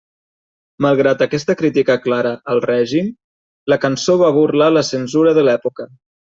Malgrat aquesta crítica clara al règim, la cançó va burlar la censura de l'època.